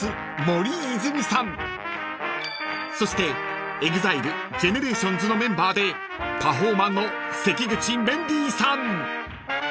［そしてＥＸＩＬＥＧＥＮＥＲＡＴＩＯＮＳのメンバーでパフォーマーの関口メンディーさん］